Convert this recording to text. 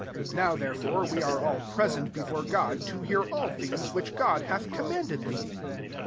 Now therefore we are all present be fore Grod, to hear alt things which God hath commanded thee."